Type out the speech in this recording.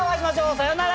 さよなら。